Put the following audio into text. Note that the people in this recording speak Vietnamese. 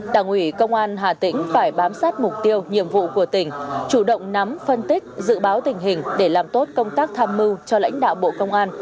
đảng ủy công an hà tĩnh phải bám sát mục tiêu nhiệm vụ của tỉnh chủ động nắm phân tích dự báo tình hình để làm tốt công tác tham mưu cho lãnh đạo bộ công an